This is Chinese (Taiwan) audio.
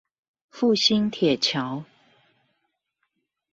復興鐵橋